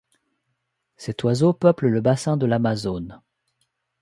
Cet oiseau peuple le bassin de l'Amazone.